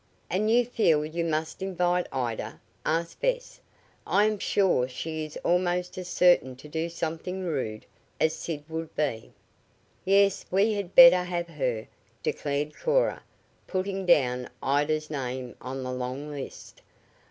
"And you feel you must invite Ida?" asked Bess. "I am sure she is almost as certain to do something rude as Sid would be." "Yes, we had better have her," declared Cora, putting down Ida's name on the long list.